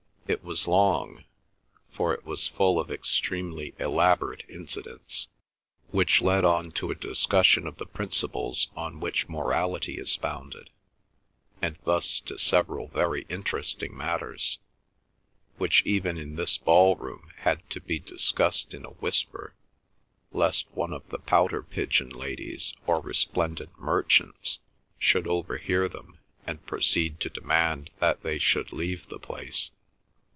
It was long, for it was full of extremely elaborate incidents, which led on to a discussion of the principles on which morality is founded, and thus to several very interesting matters, which even in this ballroom had to be discussed in a whisper, lest one of the pouter pigeon ladies or resplendent merchants should overhear them, and proceed to demand that they should leave the place.